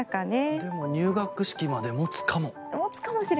でも、入学式まで持つかも。